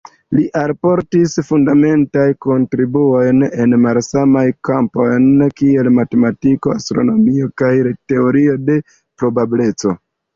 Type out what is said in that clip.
Li alportis fundamentajn kontribuojn en malsamajn kampojn, kiel matematiko, astronomio kaj teorio de probableco.